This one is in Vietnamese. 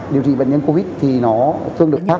điều trị bệnh nhân covid thì nó thường được khác